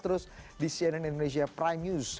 terus di cnn indonesia prime news